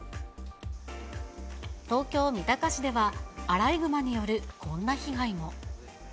東京・三鷹市では、アライグマによるこんな被害も。